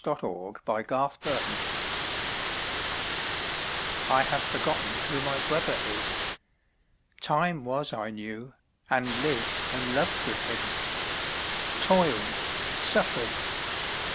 AT EASE ON LETHE WHARF.*^ I have forgotten who my brother is. Time was I knew, and lived and loved with him; Toiled, suffered.